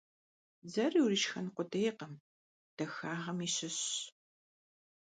Дзэр уришхэн къудейкъым, дахагъэми щыщщ.